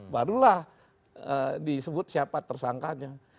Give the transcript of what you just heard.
barulah disebut siapa tersangkanya